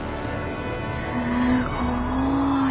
すごい。